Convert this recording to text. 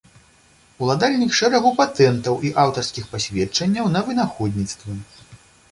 Уладальнік шэрагу патэнтаў і аўтарскіх пасведчанняў на вынаходніцтвы.